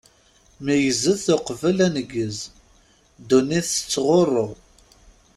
Meyyzet uqbel aneggez, ddunit tettɣuṛṛu!